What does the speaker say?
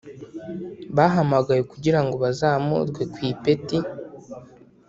Bahamagawe kugira ngo bazamurwe ku ipeti